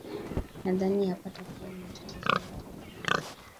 nadhani hapatakuwa na matatizo yoyote akiondoka